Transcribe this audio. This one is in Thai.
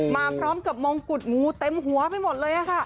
มาพร้อมกับมงกุฎงูเต็มหัวไปหมดเลยค่ะ